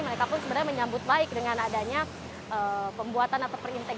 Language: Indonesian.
mereka pun sebenarnya menyambut baik dengan adanya pembuatan atau perintek